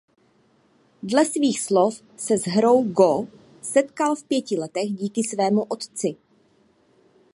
Dle svých slov se s hrou go setkal v pěti letech díky svému otci.